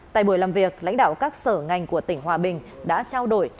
tại buổi làm việc lãnh đạo các sở ngành của tỉnh hòa bình đã trao đổi